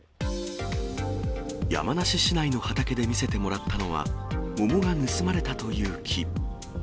山梨市内の畑で見せてもらったのは、桃が盗まれたという木。